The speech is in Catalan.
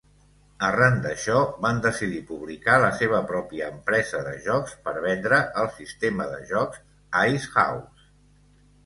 Arran d'això, van decidir publicar la seva pròpia empresa de jocs per vendre el sistema de joc IceHouse.